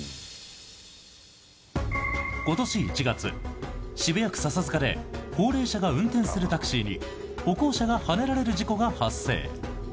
今年１月、渋谷区笹塚で高齢者が運転するタクシーに歩行者がはねられる事故が発生。